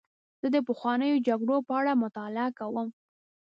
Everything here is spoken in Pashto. زه د پخوانیو جګړو په اړه مطالعه کوم.